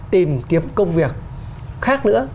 tìm kiếm công việc khác nữa